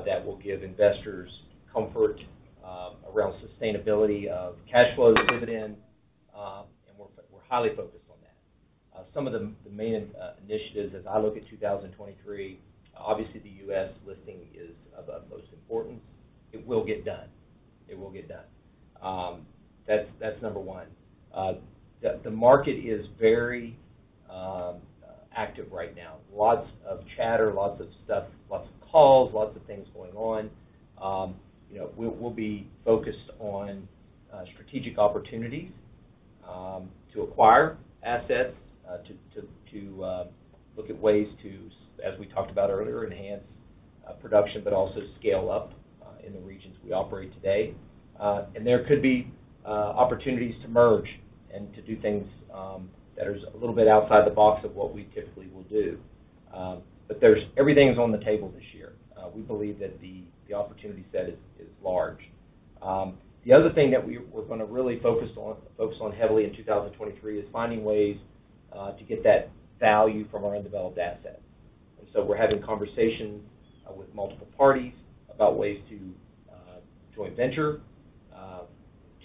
that will give investors comfort around sustainability of cash flows, dividend, we're highly focused on that. Some of the main initiatives as I look at 2023, obviously the U.S. listing is of utmost importance. It will get done. That's number one. The market is very active right now. Lots of chatter, lots of stuff, lots of calls, lots of things going on. You know, we'll be focused on strategic opportunities to acquire assets, to look at ways to, as we talked about earlier, enhance production, but also scale up in the regions we operate today. There could be opportunities to merge and to do things that are a little bit outside the box of what we typically will do. Everything's on the table this year. We believe that the opportunity set is large. The other thing that we're gonna really focus on heavily in 2023 is finding ways to get that value from our undeveloped assets. We're having conversations with multiple parties about ways to joint venture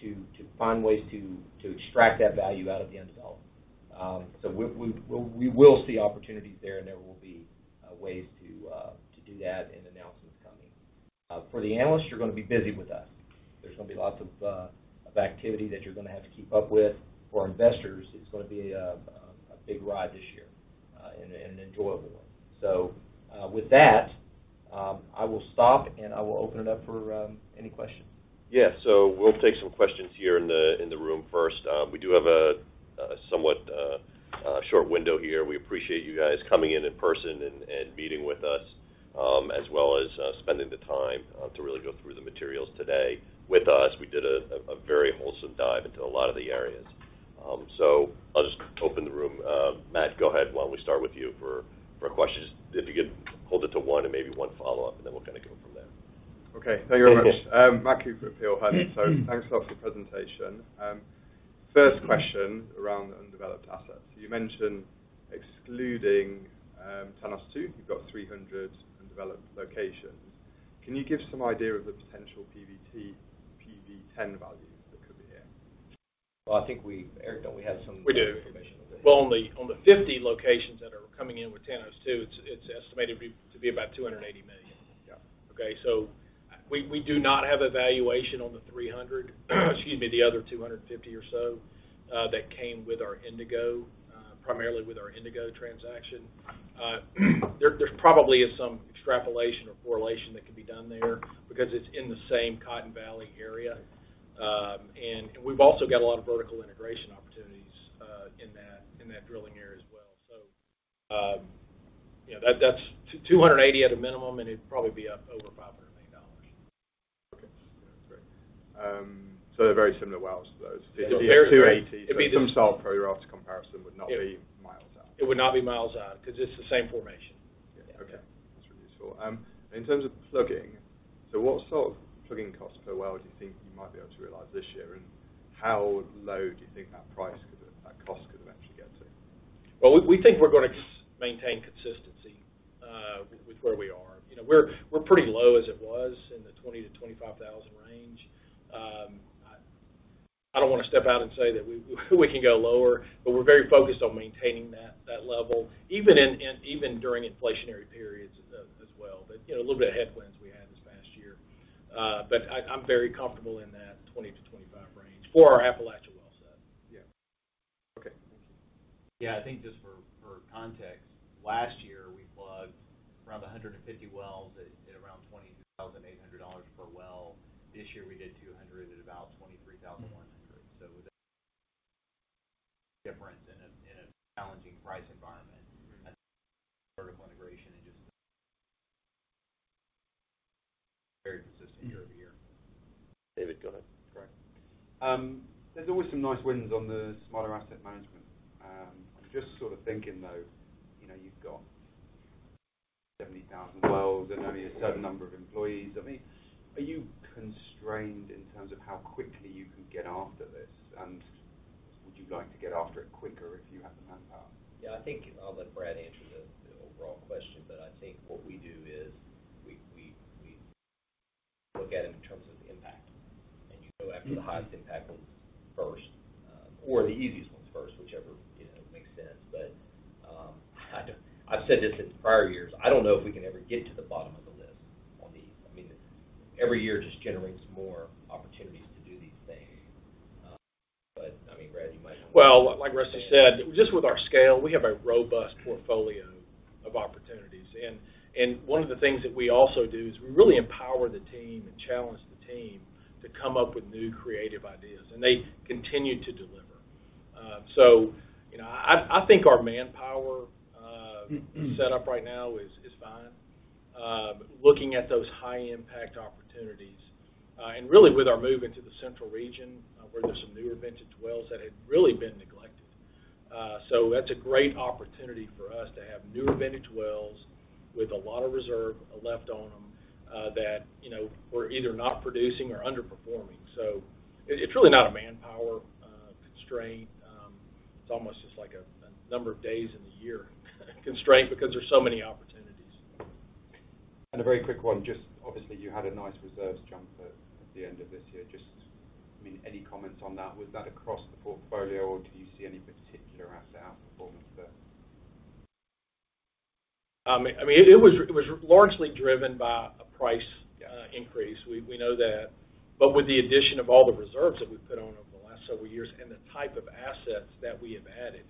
to find ways to extract that value out of the undeveloped. We will see opportunities there, and there will be ways to do that and announcements. For the analysts, you're gonna be busy with us. There's gonna be lots of activity that you're gonna have to keep up with. For our investors, it's gonna be a big ride this year and an enjoyable one. With that, I will stop, and I will open it up for any questions. Yeah. We'll take some questions here in the room first. We do have a somewhat short window here. We appreciate you guys coming in in person and meeting with us, as well as spending the time to really go through the materials today with us. We did a very wholesome dive into a lot of the areas. I'll just open the room. Matt, go ahead. Why don't we start with you for questions? If you could hold it to one and maybe one follow-up, and then we'll kinda go from there. Okay. Thank you very much. Matt Cooper, Peel Hunt. Thanks a lot for the presentation. First question around undeveloped assets. You mentioned excluding Tanos II, you've got 300 undeveloped locations. Can you give some idea of the potential PBT, PV-10 values that could be here? Well, I think we... Eric, don't we have some- We do information over here? Well, on the 50 locations that are coming in with Tanos II, it's estimated to be about $280 million. Yeah. We do not have a valuation on the 300, excuse me, the other 250 or so, that came with our Indigo, primarily with our Indigo transaction. There probably is some extrapolation or correlation that can be done there because it's in the same Cotton Valley area. And we've also got a lot of vertical integration opportunities, in that drilling area as well. You know, that's 280 at a minimum, and it'd probably be up over $500 million. Okay. Yeah. That's great. They're very similar wells to those. It'd be- 280. It'd be- Some style pro rata comparison would not be miles out. It would not be miles out because it's the same formation. Yeah. Okay. That's really useful. In terms of plugging, what sort of plugging costs per well do you think you might be able to realize this year, and how low do you think that cost could eventually get to? Well, we think we're gonna maintain consistency with where we are. You know, we're pretty low as it was in the 20,000-25,000 range. I don't wanna step out and say that we can go lower, but we're very focused on maintaining that level, even during inflationary periods as well. You know, a little bit of headwinds we had this past year. I'm very comfortable in that 20-25 range for our Appalachia well set. Yeah. Okay. Thank you. Yeah. I think just for context, last year we plugged around 150 wells at around $22,800 per well. This year we did 200 at about $23,100. With that difference in a challenging price environment vertical integration just very consistent year-over-year. David, go ahead. Great. There's always some nice wins on the Smarter Asset Management. Just sort of thinking, though, you know, you've got 70,000 wells and only a certain number of employees. I mean, are you constrained in terms of how quickly you can get after this, and would you like to get after it quicker if you had the manpower? Yeah, I think I'll let Brad answer the overall question, but I think what we do is we look at it in terms of impact. You go after the highest impact ones first, or the easiest ones first, whichever, you know, makes sense. I don't. I've said this in prior years, I don't know if we can ever get to the bottom of the list on the. I mean, every year just generates more opportunities to do these things. I mean, Brad, you might. Well, like Rusty said, just with our scale, we have a robust portfolio of opportunities. One of the things that we also do is we really empower the team and challenge the team to come up with new creative ideas, and they continue to deliver. You know, I think our manpower set up right now is fine. Looking at those high impact opportunities, really with our move into the Central Region, where there's some new vintage wells that had really been neglected. That's a great opportunity for us to have new vintage wells with a lot of reserve left on them, that, you know, we're either not producing or underperforming. It's really not a manpower constraint. It's almost just like a number of days in the year constraint because there's so many opportunities. A very quick one. Just obviously, you had a nice reserves jump at the end of this year. Just, I mean, any comments on that? Was that across the portfolio, or do you see any particular asset outperforming the... I mean, it was, it was largely driven by a price increase. We, we know that. With the addition of all the reserves that we've put on over the last several years and the type of assets that we have added,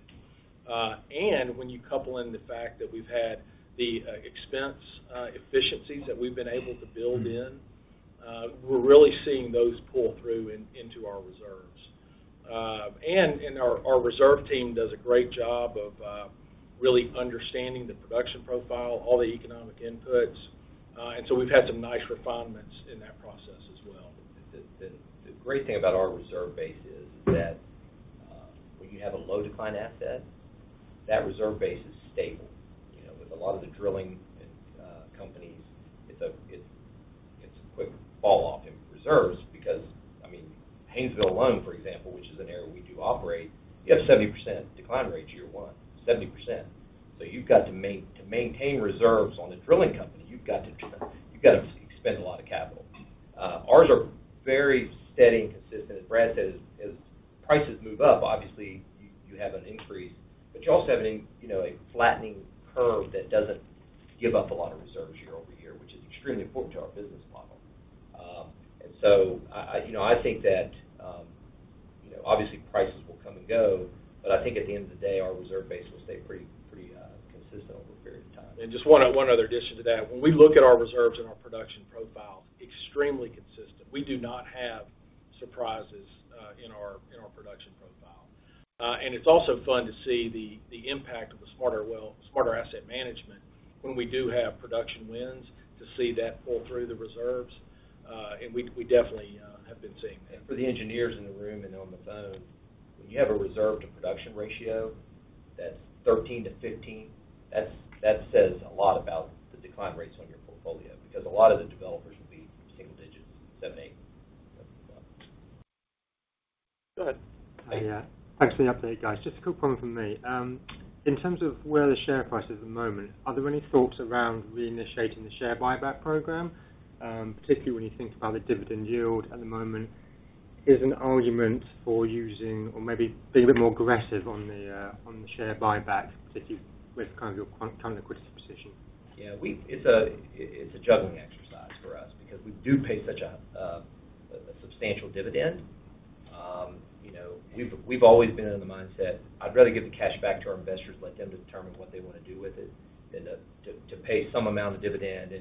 and when you couple in the fact that we've had the expense efficiencies that we've been able to build in, we're really seeing those pull through into our reserves. Our reserve team does a great job of really understanding the production profile, all the economic inputs, and so we've had some nice refinements in that process as well. The great thing about our reserve base is that when you have a low decline asset, that reserve base is stable. You know, with a lot of the drilling and companies, it's a quick fall off in reserves because, I mean, Haynesville alone, for example, which is an area we do operate, you have 70% decline rate year 1, 70%. You've got to maintain reserves on a drilling company, you've got to spend a lot of capital. Ours are very steady and consistent. As Brad said, as prices move up, obviously, you have an increase, but you also have you know, a flattening curve that doesn't give up a lot of reserves year-over-year, which is extremely important to our business model. I. You know, I think that, you know, obviously prices will come and go, but I think at the end of the day, our reserve base will stay pretty consistent over a period of time. Just one other addition to that. When we look at our reserves and our production profile, extremely consistent. We do not have surprises in our production profile. It's also fun to see the impact of the Smarter Asset Management when we do have production wins, to see that pull through the reserves. We definitely have been seeing that. For the engineers in the room and on the phone, when you have a reserve to production ratio that's 13-15, that says a lot about the decline rates on your portfolio because a lot of the developers will be single digits, if that makes sense as well. Go ahead. Hi. Yeah. Thanks for the update, guys. Just a quick one from me. In terms of where the share price is at the moment, are there any thoughts around reinitiating the share buyback program? Particularly when you think about the dividend yield at the moment, is an argument for using or maybe being a bit more aggressive on the share buyback, particularly with kind of your current liquidity position? Yeah. It's a juggling exercise for us because we do pay such a substantial dividend. You know, we've always been in the mindset, I'd rather give the cash back to our investors, let them determine what they wanna do with it than to pay some amount of dividend,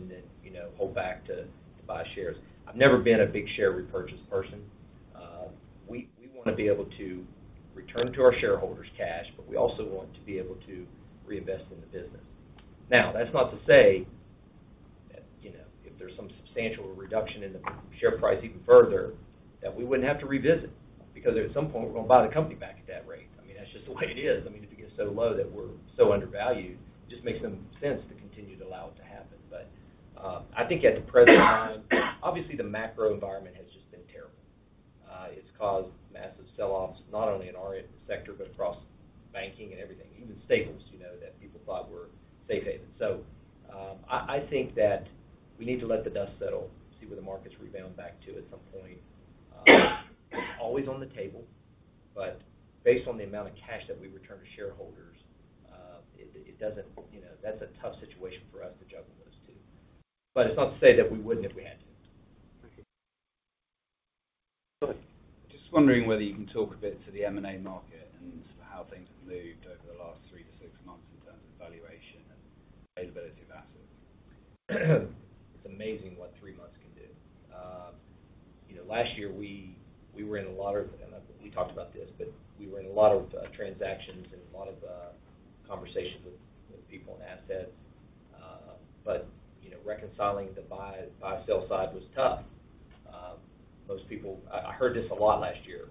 you know, hold back to buy shares. I've never been a big share repurchase person. We wanna be able to return to our shareholders cash, but we also want to be able to reinvest in the business. That's not to say that, you know, if there's some substantial reduction in the share price even further, that we wouldn't have to revisit. At some point, we're gonna buy the company back at that rate. I mean, that's just the way it is. I mean, if it gets so low that we're so undervalued, it just makes no sense to continue to allow it to happen. I think at the present time, obviously the macro environment has just been terrible. It's caused massive sell-offs, not only in our sector, but across banking and everything, even staples, you know, that people thought were safe havens. I think that we need to let the dust settle, see where the market's rebound back to at some point. It's always on the table, but based on the amount of cash that we return to shareholders, it doesn't... You know, that's a tough situation for us to juggle those two. It's not to say that we wouldn't if we had to. Okay. Go ahead. Just wondering whether you can talk a bit to the M&A market and how things have moved over the last three to six months in terms of valuation and availability of assets? It's amazing what three months can do. You know, last year we were in a lot of. We talked about this, but we were in a lot of transactions and a lot of conversations with people on assets. You know, reconciling the buy/sell side was tough. Most people. I heard this a lot last year.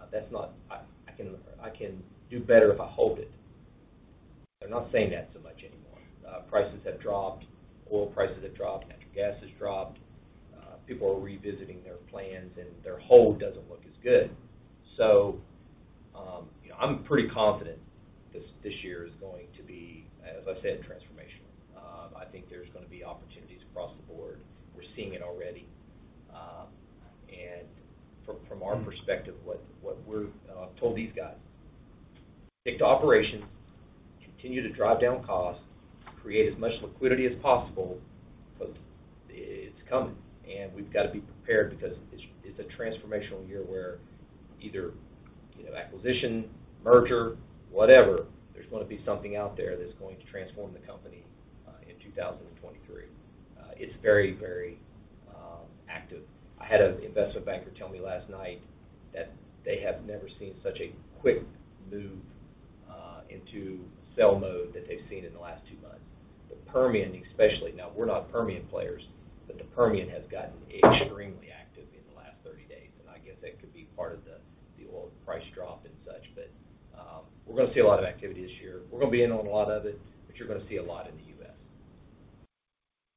"I can do better if I hold it." They're not saying that so much anymore. Prices have dropped, oil prices have dropped, natural gas has dropped. People are revisiting their plans, their hold doesn't look as good. You know, I'm pretty confident this year is going to be, as I said, transformational. I think there's gonna be opportunities across the board. We're seeing it already. From our perspective, what we're told these guys, "Stick to operations, continue to drive down costs, create as much liquidity as possible because it's coming, and we've got to be prepared because it's a transformational year where either, acquisition, merger, whatever, there's gonna be something out there that's going to transform the company in 2023." It's very, very active. I had an investment banker tell me last night that they have never seen such a quick move into sell mode that they've seen in the last two months. The Permian, especially. We're not Permian players, the Permian has gotten extremely active in the last 30 days, I guess that could be part of the oil price drop and such. We're gonna see a lot of activity this year. We're gonna be in on a lot of it. You're gonna see a lot in the U.S.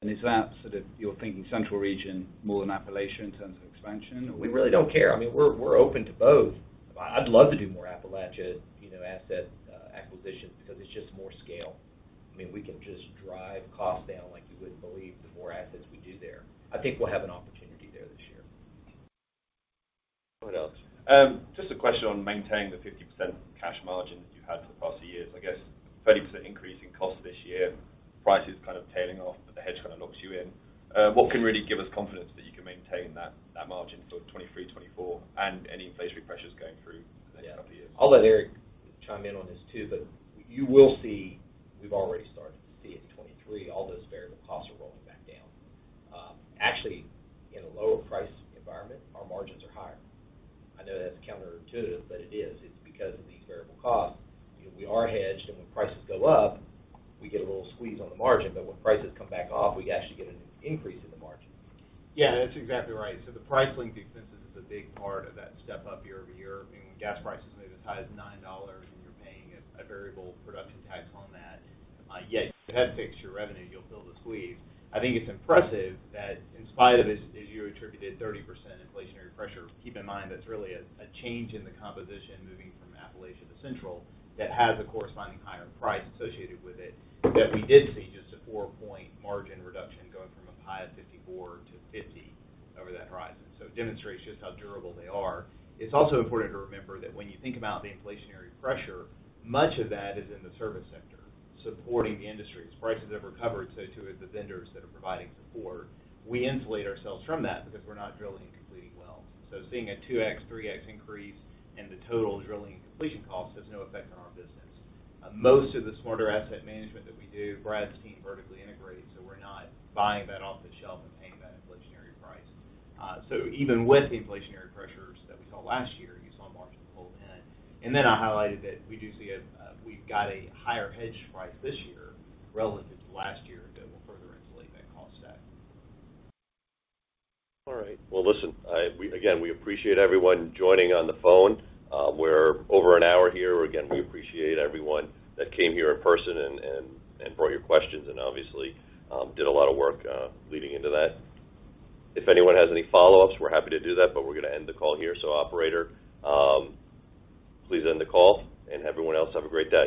Is that sort of you're thinking Central Region more than Appalachia in terms of expansion? We really don't care. I mean, we're open to both. I'd love to do more Appalachia, you know, asset acquisitions because it's just more scale. I mean, we can just drive costs down like you wouldn't believe the more assets we do there. I think we'll have an opportunity there this year. What else? Just a question on maintaining the 50% cash margin that you had for the past few years. I guess 30% increase in cost this year, prices kind of tailing off, but the hedge kinda locks you in. What can really give us confidence that you can maintain that margin for 2023, 2024, and any inflationary pressures going through the upcoming years? Yeah. I'll let Eric chime in on this too, you will see, we've already started to see it in 2023, all those variable costs are rolling back down. Actually, in a lower price environment, our margins are higher. I know that's counterintuitive, but it is. It's because of these variable costs. You know, we are hedged, and when prices go up, we get a little squeeze on the margin. When prices come back off, we actually get an increase in the margin. Yeah, that's exactly right. The price linked expenses is a big part of that step-up year-over-year. I mean, when gas prices move as high as $9 and you're paying a variable production tax on that, yet you have fixed your revenue, you'll feel the squeeze. I think it's impressive that in spite of this, as you attributed 30% inflationary pressure, keep in mind that's really a change in the composition moving from Appalachia to Central that has a corresponding higher price associated with it. We did see just a four-point margin reduction going from a high of 54 to 50 over that horizon. It demonstrates just how durable they are. It's also important to remember that when you think about the inflationary pressure, much of that is in the service center supporting the industries. Prices have recovered, so too have the vendors that are providing support. We insulate ourselves from that because we're not drilling and completing wells. Seeing a 2x, 3x increase in the total drilling and completion cost has no effect on our business. Most of the Smarter Asset Management that we do, Brad's team vertically integrated, so we're not buying that off the shelf and paying that inflationary price. Even with the inflationary pressures that we saw last year, you saw margins hold in. I highlighted that we do see a higher hedge price this year relative to last year that will further insulate that cost stack. All right. Well, listen, again, we appreciate everyone joining on the phone. We're over an hour here. Again, we appreciate everyone that came here in person and for all your questions and obviously, did a lot of work leading into that. If anyone has any follow-ups, we're happy to do that, but we're gonna end the call here. Operator, please end the call, and everyone else, have a great day.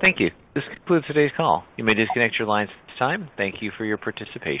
Thank you. This concludes today's call. You may disconnect your lines at this time. Thank you for your participation.